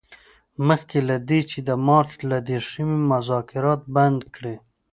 مخکې له دې چې د مارچ له دیرشمې مذاکرات بند کړي.